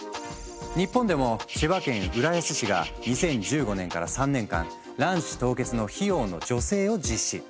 日本でも千葉県浦安市が２０１５年から３年間卵子凍結の費用の助成を実施。